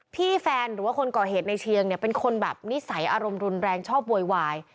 แฟนหรือว่าคนก่อเหตุในเชียงเนี่ยเป็นคนแบบนิสัยอารมณ์รุนแรงชอบโวยวาย